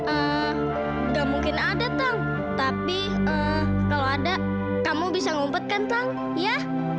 eee gak mungkin ada tang tapi ee kalau ada kamu bisa ngumpetkan tang ya